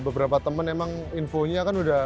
beberapa teman emang infonya kan udah